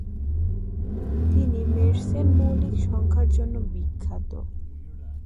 তিনি মের্সেন মৌলিক সংখ্যার জন্য বিখ্যাত।